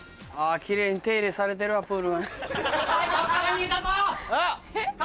・キレイに手入れされてるわプール。